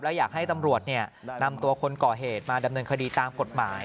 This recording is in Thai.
และอยากให้ตำรวจนำตัวคนก่อเหตุมาดำเนินคดีตามกฎหมาย